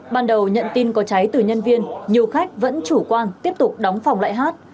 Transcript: ban đầu nhận tin có cháy từ nhân viên nhiều khách vẫn chủ quan tiếp tục đóng phòng lại hát